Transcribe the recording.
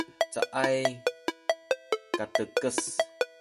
caay katekes